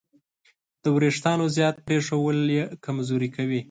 د وېښتیانو زیات پرېښودل یې کمزوري کوي.